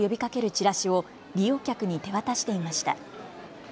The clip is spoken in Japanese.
チラシを利用客に手渡していました。